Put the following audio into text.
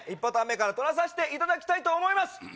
１パターン目から録らさせていただきたいと思います